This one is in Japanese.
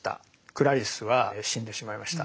クラリスは死んでしまいました。